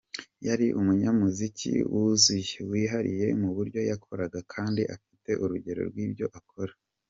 Yari umunyamuziki wuzuye wihariye mu buryo yakoraga kandi afite urugero rw’ibyo akora.